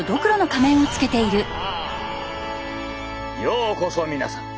ようこそ皆さん。